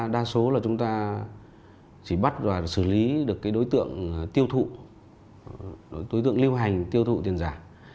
đa số là chúng ta chỉ bắt và xử lý được cái đối tượng tiêu thụ đối tượng lưu hành tiêu thụ tiền giả